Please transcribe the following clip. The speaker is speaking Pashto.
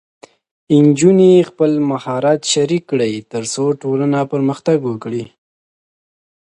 نجونې خپل مهارت شریک کړي، ترڅو ټولنه پرمختګ وکړي.